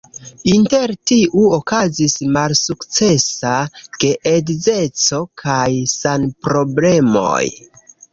Inter tiu okazis malsukcesa geedzeco kaj sanproblemoj.